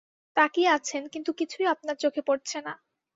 তাকিয়ে আছেন, কিন্তু কিছুই আপনার চোখে পড়ছে না।